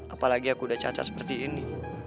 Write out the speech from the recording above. apalagi aku udah cacat seperti ini